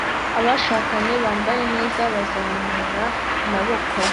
Abashakanye bambaye neza bazamura amaboko